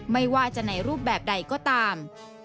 ไม่ว่าจะในรูปแบบใดก็ตาม